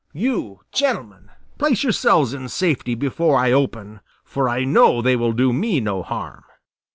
You, gentlemen, place yourselves in safety before I open, for I know they will do me no harm."